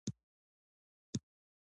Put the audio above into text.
د کندهار په میوند کې د ګچ نښې شته.